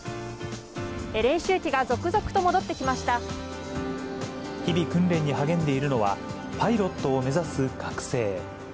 練習機が続々と戻ってきまし日々、訓練に励んでいるのは、パイロットを目指す学生。